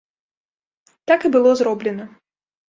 Так і было зроблена.